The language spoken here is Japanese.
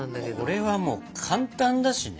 これはもう簡単だしね。